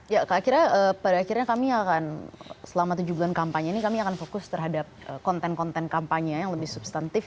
ya akhirnya pada akhirnya kami akan selama tujuh bulan kampanye ini kami akan fokus terhadap konten konten kampanye yang lebih substantif